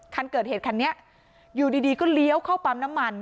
คันเกิดเหตุคันนี้อยู่ดีก็เลี้ยวเข้าปั๊มน้ำมัน